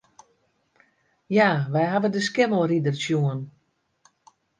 Ja, wy hawwe de Skimmelrider sjoen.